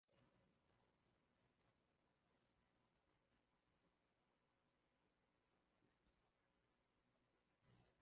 inahusika katika kuboresha ufanisi wa mzunguko na upelekaji wa fedha